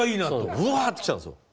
うわっと来たんですよ